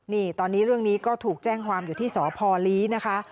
นี่ตอนนี้เรื่องนี้ก็ถูกแจ้งความอยู่ที่สพลีนะคะ